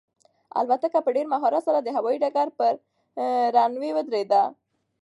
الوتکه په ډېر مهارت سره د هوایي ډګر پر رن وې ودرېده.